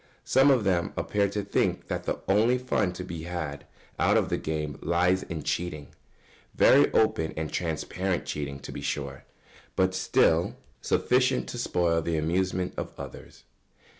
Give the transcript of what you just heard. Some of them appear to think that the only fun to be had out of the game lies in cheating very open and transparent cheating, to be sure but still sufficient to spoil the amusement of others.